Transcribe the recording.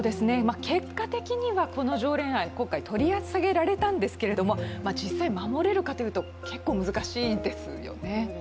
結果的にはこの条例案は今回取り下げられたんですけれども、実際、守れるかというと結構、難しいんですよね。